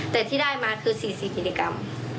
แต่ที่ได้มาคือ๔๔กิโลกรัม